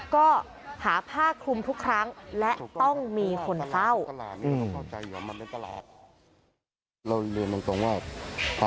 ก็หาผ้าคลุมทุกครั้งและต้องมีคนเฝ้า